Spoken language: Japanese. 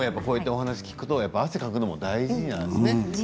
お話を聞くと汗をかくのも大事なんですね。